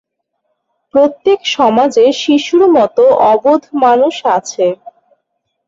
প্রত্যেক সমাজে শিশুর মত অবোধ মানুষ আছে।